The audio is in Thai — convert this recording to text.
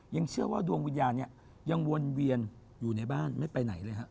ยังเชื่อว่าดวงวิญญาณเนี่ยยังวนเวียนอยู่ในบ้านไม่ไปไหนเลยฮะ